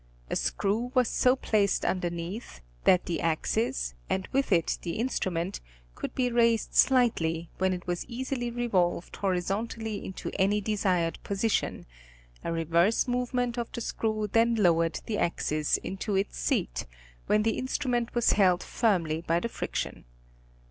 A screw was so placed underneath, that the axis, and with it the instru ment, could be raised slightly, when it was easily revolved hori zontally into any desired position, a reverse movement of the screw then lowered the axis into its seat, when the instrument was held firmly by the friction.